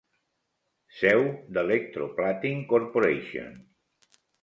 Seu d'Electroplating Corporation.